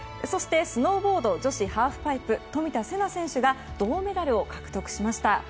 そしてスノーボード女子ハーフパイプ冨田せな選手が銅メダルを獲得しました。